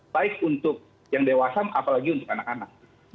baik untuk yang dewasa apalagi untuk anak anak